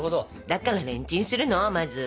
だからレンチンするのまず。